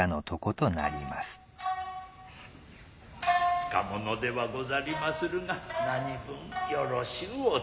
ふつつか者ではござりまするが何分よろしゅう